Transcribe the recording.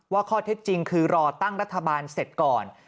ข้อเท็จจริงคือรอตั้งรัฐบาลเสร็จก่อน